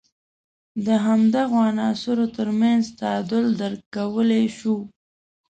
د همدغو عناصر تر منځ تعامل درک کولای شو.